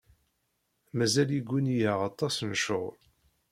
Mazal yegguni-aɣ aṭas n ccɣel.